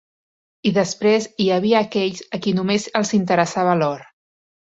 I després hi havia aquells a qui només els interessava l'or.